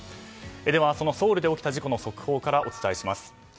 では、そのソウルで起きた事故の速報からお伝えします。